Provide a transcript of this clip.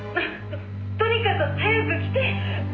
「ととにかく早く来て！」